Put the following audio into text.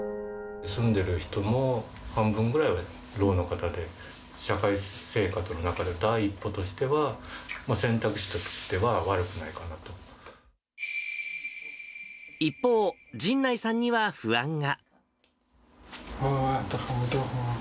住んでる人の半分ぐらいはろうの方で、社会生活の中で第一歩としては、選択肢としては悪くな一方、神内さんには不安が。